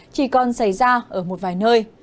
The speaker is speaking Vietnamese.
chỉ còn xảy ra ở một vài nơi